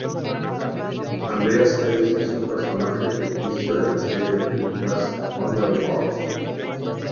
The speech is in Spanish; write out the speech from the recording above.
Andreas Tanis es un personaje ficticio de la serie de películas "Underworld".